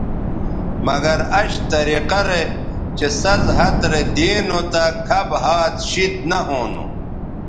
مگر اش طریقہ رے چہء سَز ھَت رے دی نو تہ کھب ھَات شید نہ ھونو